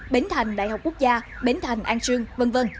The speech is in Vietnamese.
bến thành đại học quốc gia bến thành an sương v v